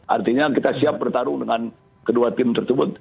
artinya kita siap bertarung dengan kedua tim tersebut